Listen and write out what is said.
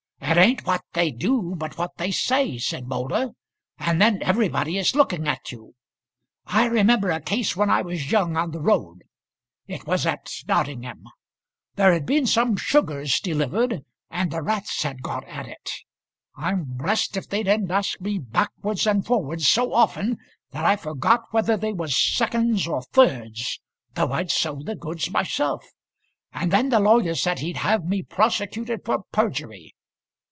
"It ain't what they do, but what they say," said Moulder; "and then everybody is looking at you. I remember a case when I was young on the road; it was at Nottingham. There had been some sugars delivered, and the rats had got at it. I'm blessed if they didn't ask me backwards and forwards so often that I forgot whether they was seconds or thirds, though I'd sold the goods myself. And then the lawyer said he'd have me prosecuted for perjury.